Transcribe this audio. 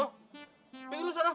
bikin lu sarang